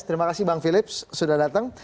terima kasih bang philips sudah datang